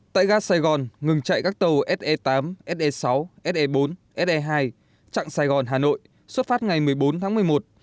tại ga sài gòn ngừng chạy các tàu se tám se sáu se bốn se hai chặng sài gòn hà nội xuất phát ngày một mươi bốn tháng một mươi một